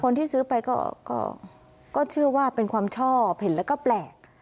คนที่ซื้อไปก็เชื่อว่าเป็นความชอบเห็นแล้วก็แปลก